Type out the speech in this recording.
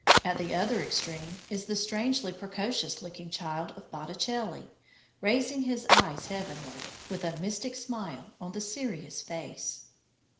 At the other extreme is the strangely precocious looking child of Botticelli, raising his eyes heavenward, with a mystic smile on his serious face.